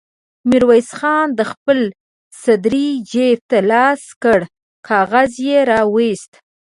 ميرويس خان د خپلې سدرۍ جېب ته لاس کړ، کاغذ يې را وايست.